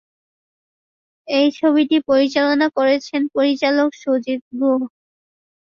এই ছবিটি পরিচালনা করেছেন পরিচালক সুজিত গুহ।